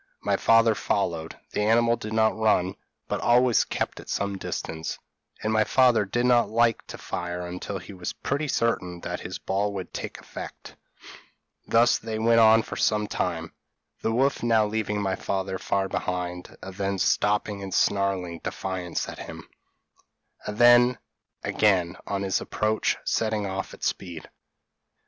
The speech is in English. My father followed; the animal did not run, but always kept at some distance; and my father did not like to fire until he was pretty certain that his ball would take effect; thus they went on for some time, the wolf now leaving my father far behind, and then stopping and snarling defiance at him, and then, again, on his approach, setting off at speed.